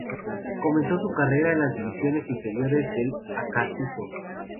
Comenzó su carrera en las divisiones inferiores de Acassuso.